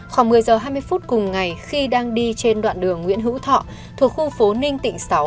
khoảng một mươi giờ hai mươi phút cùng ngày khi đang đi trên đoạn đường nguyễn hữu thọ thuộc khu phố ninh tịnh sáu